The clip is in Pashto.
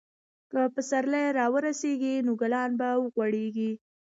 که پسرلی راورسیږي، نو ګلان به وغوړېږي.